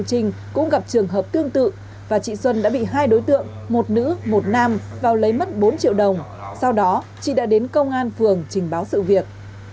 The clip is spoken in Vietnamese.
chị nông thị xuân bị hai đối tượng một nữ một nam vào lấy mất bốn triệu đồng sau đó chị đã đến công an phường trình báo sự việc